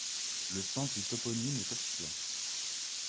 Le sens du toponyme est obscur.